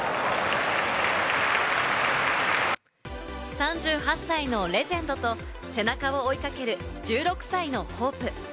３８歳のレジェンドと背中を追いかける１６歳のホープ。